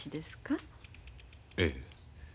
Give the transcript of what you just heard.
ええ。